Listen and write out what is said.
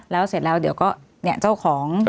แล้วเสร็จแล้วเดี๋ยวก็เนี่ยเจ้าของ